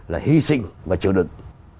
là hy sinh và chịu đựng